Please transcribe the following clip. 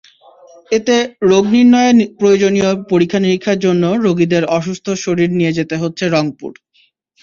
এতে রোগনির্ণয়ে প্রয়োজনীয় পরীক্ষা-নিরীক্ষার জন্য রোগীদের অসুস্থ শরীর নিয়ে যেতে হচ্ছে রংপুর।